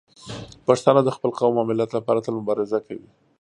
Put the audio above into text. پښتانه د خپل قوم او ملت لپاره تل مبارزه کوي.